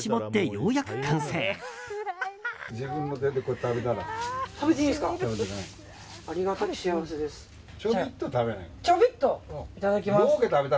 いただきます。